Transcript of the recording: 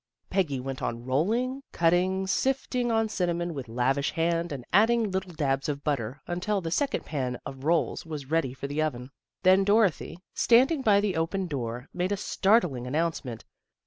Peggy went on rolling, cutting, sifting on cinnamon with lavish hand and adding little dabs of butter until the second pan of rolls was ready for the oven. Then Dorothy, standing by the open door, made a startling announce ment.